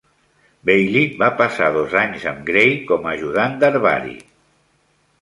Bailey va passar dos anys amb Gray com a ajudant d'herbari.